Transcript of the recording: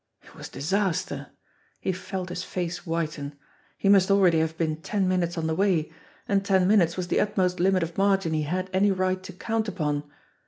It was disaster ! He felt his face whiten. He must already have been ten minutes on the way and ten minutes was the utmost limit of margin he had any right to count upon.